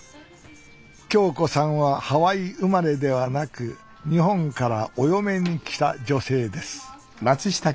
響子さんはハワイ生まれではなく日本からお嫁に来た女性です。